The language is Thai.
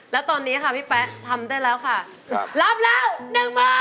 ร้องวัน